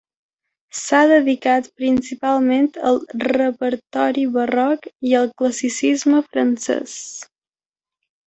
S'ha dedicat principalment al repertori barroc i al classicisme francès.